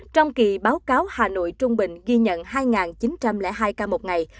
trong kỳ báo cáo hà nội trung bình ghi nhận hai chín trăm linh hai ca một ngày